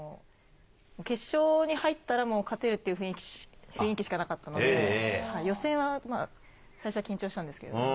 決勝に入ったら、もう勝てるっていう雰囲気しかなかったので、予選はまあ、最初は緊張したんですけど。